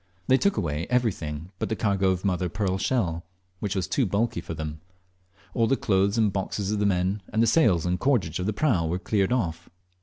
They took away everything but the cargo of mother of pearl shell, which was too bulky for them. All the clothes and boxes of the men, and the sails and cordage of the prau, were cleared off.